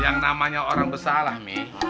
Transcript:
yang namanya orang bersalah nih